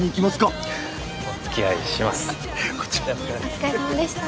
お疲れさまでした。